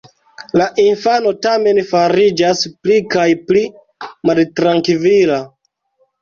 La infano tamen fariĝas pli kaj pli maltrankvila.